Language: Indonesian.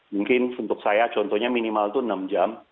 mungkin untuk saya contohnya minimal itu enam jam